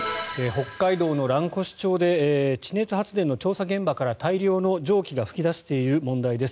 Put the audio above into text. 北海道の蘭越町で地熱発電の調査現場から大量の蒸気が噴き出している問題です。